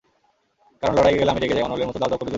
কারণ লড়াইয়ে গেলে আমি রেগে যাই, অনলের মতো দাউ দাউ করে জ্বলি।